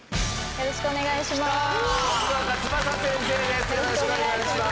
よろしくお願いします。